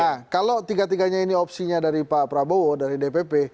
nah kalau tiga tiganya ini opsinya dari pak prabowo dari dpp